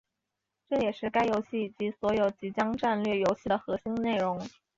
这也是该游戏以及所有即时战略游戏的核心内容。